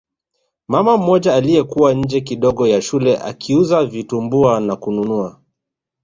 Mama mmoja aliyekuwa nje kidogo ya shule akiuza vitumbua na kununua